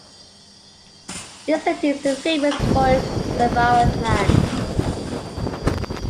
This city is famous for its Zafaran lands.